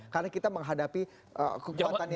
karena kita menghadapi kekuatannya